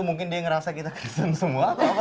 mungkin dia ngerasa kita keseng semua atau apa